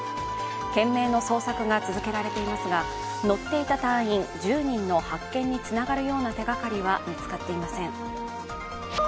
懸命の捜索が続けられていますが乗っていた隊員１０人の発見につながるような手がかりは見つかっていません。